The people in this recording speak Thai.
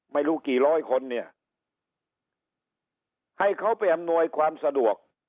ไม่รู้กี่ร้อยคนเนี่ยให้เขาไปอำนวยความสะดวก